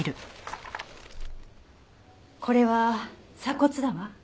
これは鎖骨だわ。